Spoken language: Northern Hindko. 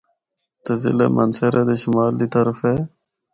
تے ضلع مانسہرہ دے شمال دی طرف اے۔